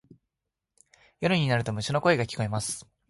夜になると虫の声が聞こえます。